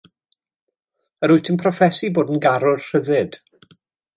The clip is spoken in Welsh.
Yr wyt yn proffesu bod yn garwr rhyddid.